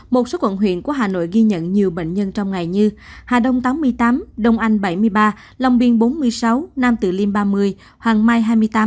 một số quận huyện của hà nội ghi nhận nhiều bệnh nhân trong ngày như hà đông tám mươi tám đông anh bảy mươi ba long biên bốn mươi sáu nam tử liêm ba mươi hoàng mai hai mươi tám